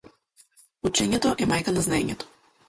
Учењето е мајка на знаењето.